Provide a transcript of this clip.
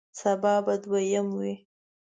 سبا به دویم وی